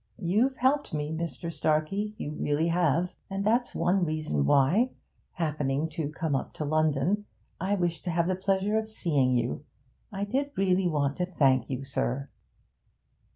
You've helped me, Mr. Starkey, you really have. And that's one reason why, happening to come up to London, I wished to have the pleasure of seeing you; I really did want to thank you, sir.'